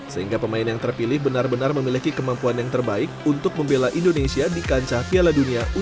sehingga pemain yang terpilih benar benar memiliki kemampuan yang terbaik untuk membela indonesia di kancah piala dunia u dua puluh